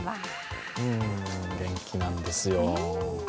元気なんですよ。